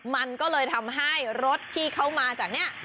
มันก็เลยทำให้รถที่เขามาจากนี้